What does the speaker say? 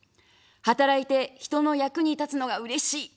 働いて、人の役に立つのがうれしい。